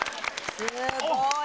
すごい！